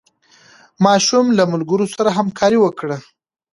ماشوم له ملګرو سره همکاري وکړه